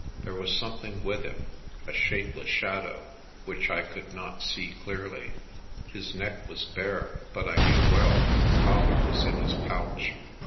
There was some thing with him, a shapeless shadow, which I could not see clearly. His neck was bare but I knew well that the collar was in his pouch.